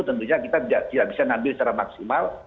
tentunya kita tidak bisa mengambil secara maksimal